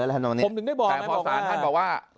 แต่พอศาลท่านบอกว่า